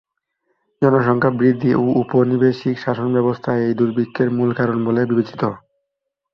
জনসংখ্যা বৃদ্ধি ও উপনিবেশিক শাসন ব্যবস্থা এই দুর্ভিক্ষের মুল কারণ বলে বিবেচিত।